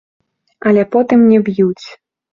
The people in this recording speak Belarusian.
Але потым не б'юць.